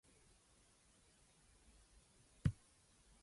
The eagle is flanked by the pillars of Hercules.